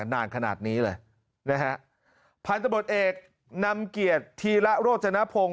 นานขนาดนี้เลยนะฮะพันธบทเอกนำเกียรติธีระโรจนพงศ์